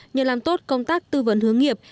nhờ làm tốt công tác tư vấn hướng nghiệp